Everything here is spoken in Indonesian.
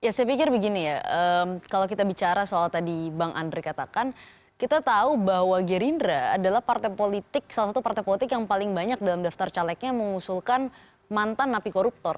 ya saya pikir begini ya kalau kita bicara soal tadi bang andre katakan kita tahu bahwa gerindra adalah partai politik salah satu partai politik yang paling banyak dalam daftar calegnya mengusulkan mantan napi koruptor